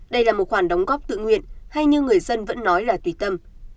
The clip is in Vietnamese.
đây là một khoản đóng góp tự nguyện hay như người dân vẫn nói là tùy tâm